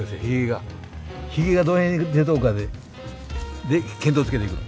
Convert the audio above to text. ひげがどの辺に出とるかでで見当をつけていく。